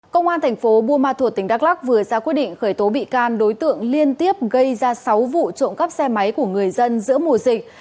công an thành phố buôn ma thuột tỉnh đắk lắc vừa ra quyết định khởi tố bị can đối tượng liên tiếp gây ra sáu vụ trộm cắp xe máy của người dân giữa mùa dịch